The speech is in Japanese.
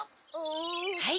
はい。